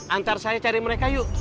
antar saya cari mereka yuk